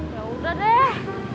ya udah deh